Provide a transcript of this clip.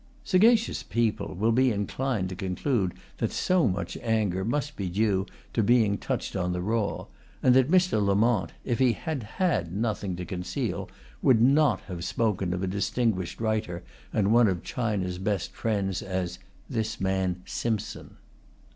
Sagacious people will be inclined to conclude that so much anger must be due to being touched on the raw, and that Mr. Lamont, if he had had nothing to conceal, would not have spoken of a distinguished writer and one of China's best friends as "this man Simpson."